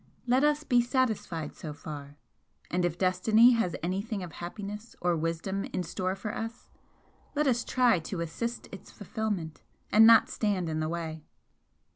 Let us be satisfied so far and if destiny has anything of happiness or wisdom in store for us let us try to assist its fulfilment and not stand in the way."